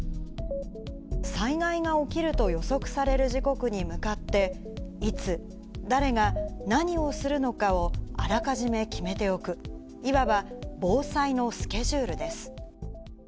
災害が起きると予測される時刻に向かって、いつ、誰が、何をするのかをあらかじめ決めておく、いわば防災のスケジュールです。